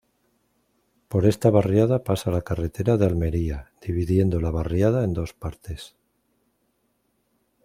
Por esta barriada pasa la carretera de Almería, dividiendo la barriada en dos partes.